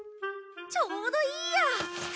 ちょうどいいや！